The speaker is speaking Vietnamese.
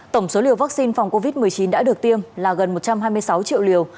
tổng số liều vaccine phòng covid một mươi chín đã được tiêm là gần một trăm hai mươi sáu triệu liều